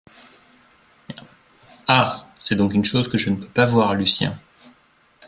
Ah ! c’est donc une chose que je ne peux pas voir Lucien .